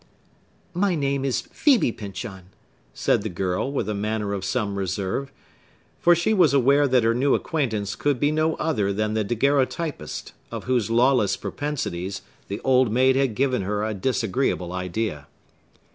"My name is Phœbe Pyncheon," said the girl, with a manner of some reserve; for she was aware that her new acquaintance could be no other than the daguerreotypist, of whose lawless propensities the old maid had given her a disagreeable idea.